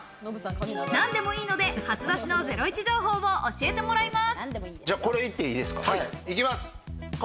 何でもいいので初出しのゼロイチ情報を教えてもらいます。